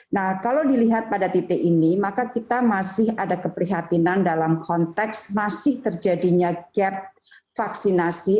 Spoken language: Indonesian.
nah kalau dilihat pada titik ini maka kita masih ada keprihatinan dalam konteks masih terjadinya gap vaksinasi